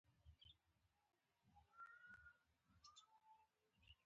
په حکومت کې د اوربشو د دانې په څېر لعل هم شته.